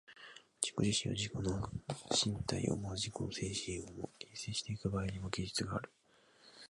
自己自身を、自己の身体をも自己の精神をも、形成してゆく場合にも、技術がある。